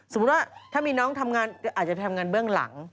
สมมุติว่าถ้ามีน้องทำงานอาจจะไปทำงานเบื้องหลัง